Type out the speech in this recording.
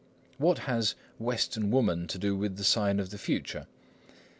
What has western woman to do with the sign of the future?